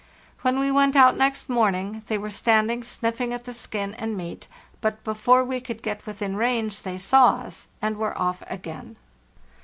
When we went out next morning, they were standing sniffing at the skin and meat; but before we could get within range they saw us, and were off again.